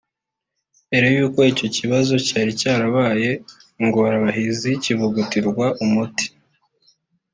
mbere y’uko icyo kibazo cyari cyarabaye ingorabahizi kivugutirwa umuti